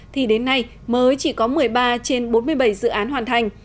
thì đến nay mới chỉ có một mươi ba trên bốn mươi bảy dự án hoàn thành